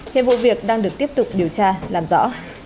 hiện vụ việc đang được tiếp tục điều tra làm rõ